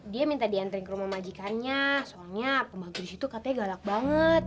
dia minta diantri ke rumah majikannya soalnya pembagu di situ katanya galak banget